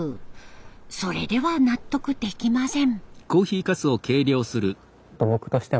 それでは納得できません。